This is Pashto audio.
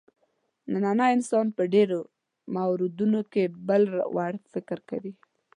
نننی انسان په ډېرو موردونو کې بل وړ فکر کوي.